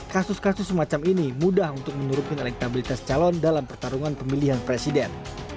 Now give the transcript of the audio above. kasus kasus semacam ini mudah untuk menurunkan elektabilitas calon dalam pertarungan pemilihan presiden